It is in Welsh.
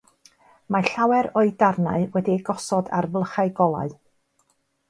Mae llawer o'i darnau wedi eu gosod ar flychau golau.